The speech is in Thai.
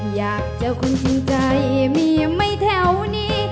อยากเจอคนจริงใจเมียไม่แถวนี้